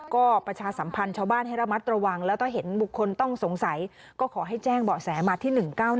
ก็ประชาสัมพันธ์ชาวบ้านให้ระมัดระวังแล้วก็เห็นบุคคลต้องสงสัยก็ขอให้แจ้งเบาะแสมาที่๑๙๑